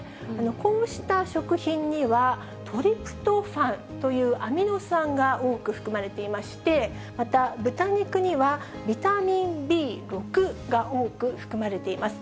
こうした食品には、トリプトファンというアミノ酸が多く含まれていまして、また、豚肉にはビタミンＢ６が多く含まれています。